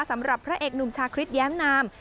สำหรับพระเอกหนุ่มชาคริสแย้มนาม